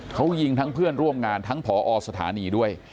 เขายิงทั้งเพื่อนร่วมงานทั้งผอสถานีด้วย